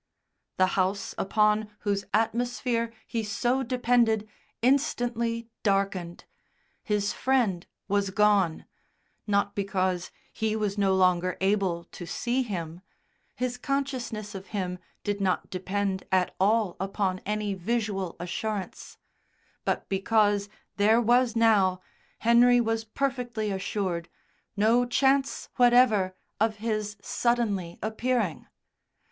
The house upon whose atmosphere he so depended instantly darkened; his Friend was gone, not because he was no longer able to see him (his consciousness of him did not depend at all upon any visual assurance), but because there was now, Henry was perfectly assured, no chance whatever of his suddenly appearing.